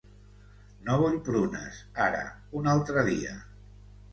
No vull prunes, ara, un altre dia.